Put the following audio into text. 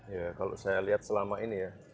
ya kalau saya lihat selama ini ya